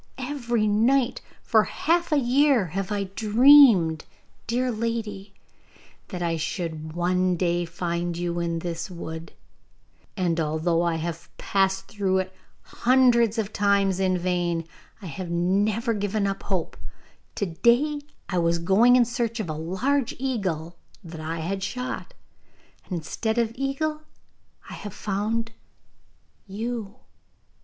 Every night, for half a year, have I dreamed, dear lady, that I should one day find you in this wood. And although I have passed through it hundreds of times in vain, I have never given up hope. To day I was going in search of a large eagle that I had shot, and instead of the eagle I have found you.